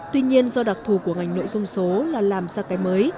tuy nhiên do đặc thù của ngành nội dung số là làm ra cái mới